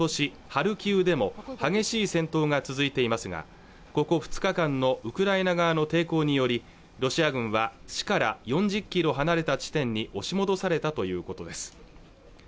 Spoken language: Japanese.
ハルキウでも激しい戦闘が続いていますがここ２日間のウクライナ側の抵抗によりロシア軍は市から４０キロ離れた地点に押し戻されたということです